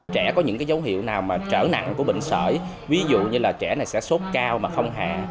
trẻ có những dấu hiệu nào trở nặng của bệnh sởi ví dụ như trẻ này sẽ sốt cao mà không hẹ